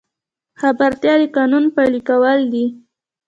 خبرتیا د قانون پلي کول دي